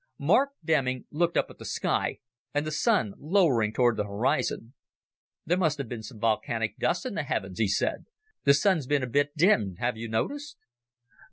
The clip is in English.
Mark Denning looked up at the sky and the Sun lowering toward the horizon. "There must have been some volcanic dust in the heavens," he said. "The Sun's been a bit dimmed, have you noticed?"